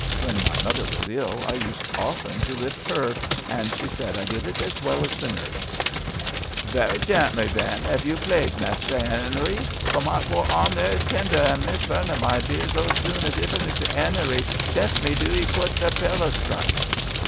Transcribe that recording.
When my mother was ill I used often to lift her, and she said I did it as well as the nurse." a Very gently then, ef you please, Mester 'Enery, for my poor dear arm is that tender; and Miss Vernon, my dear, zo zoon as iver Mester 'Enery shefts me doo 'ee putt the pillows strite."